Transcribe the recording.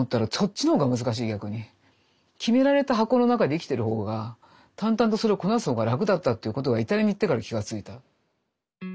決められた箱の中で生きてる方が淡々とそれをこなす方が楽だったっていうことがイタリアに行ってから気が付いた。